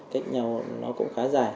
cách nhau nó cũng khá dài